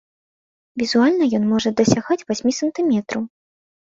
Візуальна ён можа дасягаць васьмі сантыметраў.